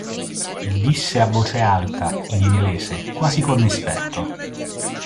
Disse a voce alta, in inglese, quasi con rispetto.